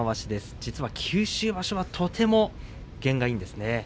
実は九州場所はとっても験がいいんです。